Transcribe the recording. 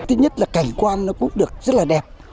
thứ nhất là cảnh quan nó cũng được rất là đẹp